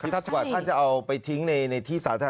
ถ้าจะเอาไปทิ้งในที่สาธารณะ